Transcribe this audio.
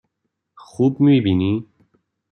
خوب می بینی؟